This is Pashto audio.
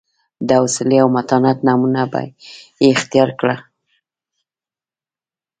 د حوصلې او متانت نمونه به یې اختیار کړه.